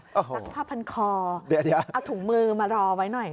ซักผ้าพันคอเดี๋ยวเอาถุงมือมารอไว้หน่อย